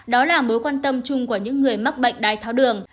đó là mối quan tâm chung của những người mắc bệnh đai tháo đường